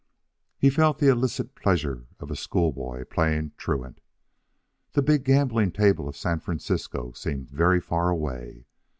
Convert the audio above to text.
He felt the illicit pleasure of a schoolboy playing truant. The big gambling table of San Francisco seemed very far away.